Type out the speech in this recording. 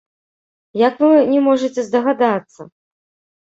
Як вы не можаце здагадацца?